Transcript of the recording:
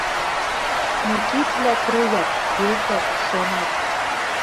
Но кидвлӓ труят — пӧртӓт, шымат